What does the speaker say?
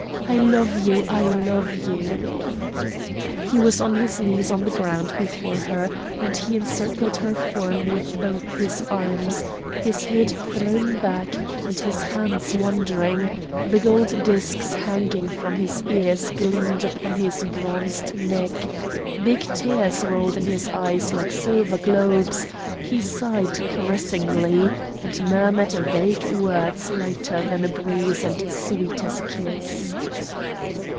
I love you! I love you!" He was on his knees on the ground before her; and he encircled her form with both his arms, his head thrown back, and his hands wandering; the gold discs hanging from his ears gleamed upon his bronzed neck; big tears rolled in his eyes like silver globes; he sighed caressingly, and murmured vague words lighter than a breeze and sweet as a kiss.